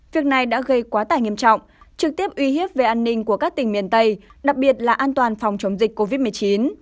việc này đã gây quá tải nghiêm trọng trực tiếp uy hiếp về an ninh của các tỉnh miền tây đặc biệt là an toàn phòng chống dịch covid một mươi chín